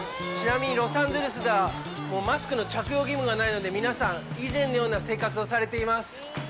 ちなみにロサンゼルスではマスクの着用義務がないので、皆さん、以前のような生活をされています。